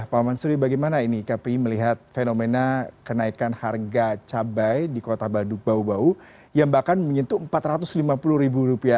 pak mansuri bagaimana ini kpi melihat fenomena kenaikan harga cabai di kota badu bau bau yang bahkan menyentuh empat ratus lima puluh ribu rupiah